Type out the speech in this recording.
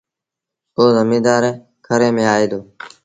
پو زميݩدآر کري ميݩ آئي دو